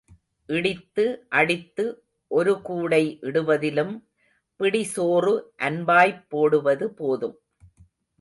இடித்து அடித்து ஒரு கூடை இடுவதிலும் பிடி சோறு அன்பாய்ப் போடுவது போதும்.